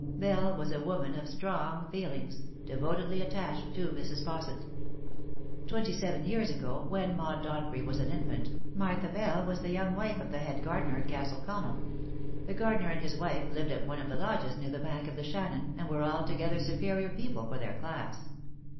Bell was a woman of strong feelings, devotedly attached to Mrs. Fausset. Twenty seven years ago, when Maud Donfrey was an infant, Martha Bell was the young wife of the head gardener at Castle CoEnell. The gardener and his wife lived at one of the lodges near the bank of the Shannon, and were altogether superior people for their class.